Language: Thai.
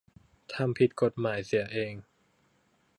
ทำผิดกฎหมายเสียเอง